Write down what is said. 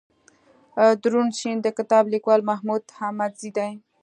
دروڼ سيند دکتاب ليکوال محمودحميدزى دئ